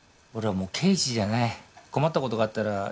俺はもう刑事じゃない困ったことがあったら